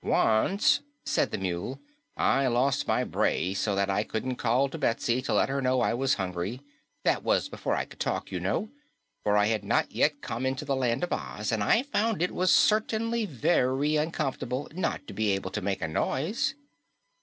"Once," said the Mule, "I lost my bray so that I couldn't call to Betsy to let her know I was hungry. That was before I could talk, you know, for I had not yet come into the Land of Oz, and I found it was certainly very uncomfortable not to be able to make a noise."